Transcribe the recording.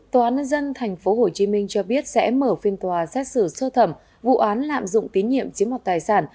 tòa án nhân dân tp hcm cho biết sẽ mở phiên tòa xét xử sơ thẩm vụ án lạm dụng tín nhiệm chiếm mọc tài sản